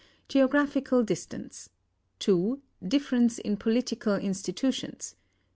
"Geographical distance; 2. Difference in political institutions; 3.